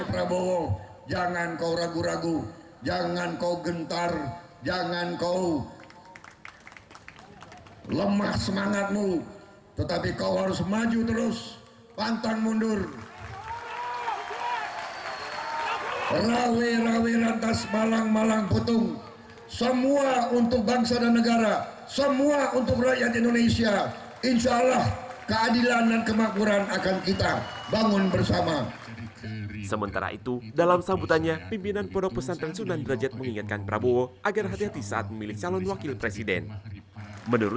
terima kasih prabowo jangan kau ragu ragu jangan kau gentar jangan kau lemah semangatmu tetapi kau harus maju terus pantang mundur